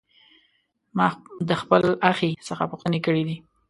ما د خپل اخښي څخه پوښتنې کړې دي.